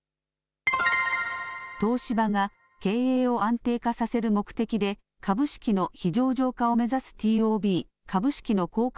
東芝が、経営を安定化させる目的で、株式の非上場化を目指すＴＯＢ・株式の公開